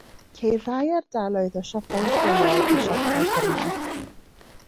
Ceir rhai ardaloedd o siopau lleol a siopau cornel.